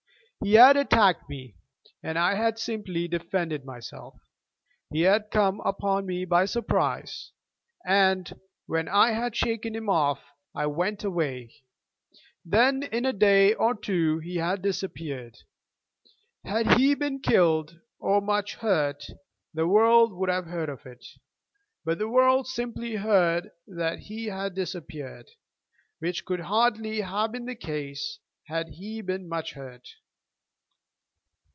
He had attacked me, and I had simply defended myself. He had come upon me by surprise; and, when I had shaken him off, I went away. Then in a day or two he had disappeared. Had he been killed, or much hurt, the world would have heard of it: but the world simply heard that he had disappeared, which could hardly have been the case had he been much hurt.